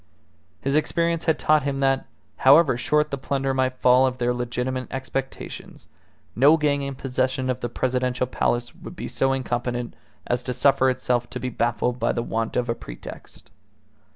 His experience had taught him that, however short the plunder might fall of their legitimate expectations, no gang in possession of the Presidential Palace would be so incompetent as to suffer itself to be baffled by the want of a pretext.